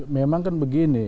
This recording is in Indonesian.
memang kan begini